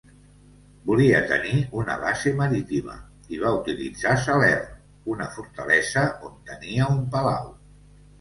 Volia tenir una base marítima i va utilitzar Salern, una fortalesa on tenia un palau.